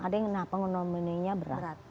ada yang pneumonia berat